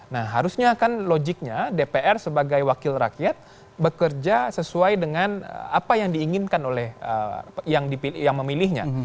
nah harusnya kan logiknya dpr sebagai wakil rakyat bekerja sesuai dengan apa yang diinginkan oleh yang memilihnya